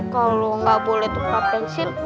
kalau enggak boleh tukar pensil